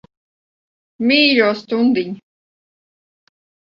Mīļo stundiņ.